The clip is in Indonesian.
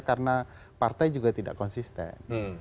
karena partai juga tidak konsisten